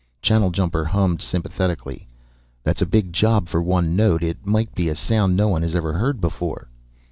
Channeljumper hummed sympathetically. "That's a big job for one note. It might be a sound no one has ever heard before."